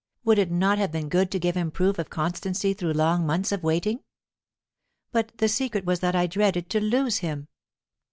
Would it not have been good to give him proof of constancy through long months of waiting? But the secret was that I dreaded to lose him.